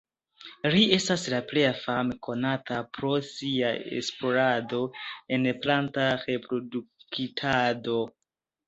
Li estas la plej fame konata pro sia esplorado en planta reproduktado.